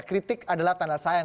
kritik adalah tanda sayang